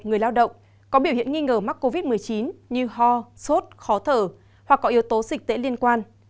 người lao động có biểu hiện nghi ngờ mắc covid một mươi chín như ho sốt khó thở hoặc có yếu tố dịch tễ liên quan